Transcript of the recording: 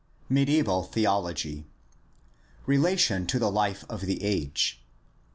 MEDIAEVAL THEOLOGY Relation to the life of the age.